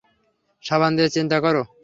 সাবান নিয়ে চিন্তা করো না।